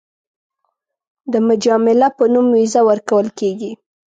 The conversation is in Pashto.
د مجامله په نوم ویزه ورکول کېږي.